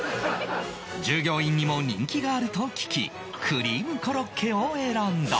従業員にも人気があると聞きクリームコロッケを選んだ